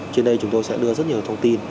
trên đây chúng tôi sẽ đưa rất nhiều thông tin